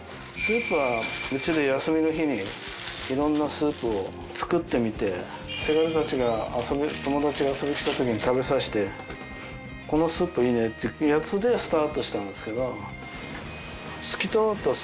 スープはうちで休みの日にいろんなスープを作ってみてせがれたちが友達が遊びにきたときに食べさせてこのスープいいねってやつでスタートしたんですけど。